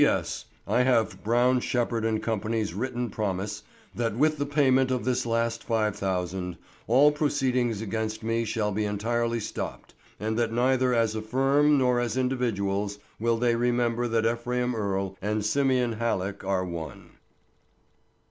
S. I have Brown, Shepherd, & Co.'s written promise that with the payment of this last five thousand, all proceedings against me shall be entirely stopped, and that neither as a firm nor as individuals will they remember that Ephraim Earle and Simeon Halleck are one.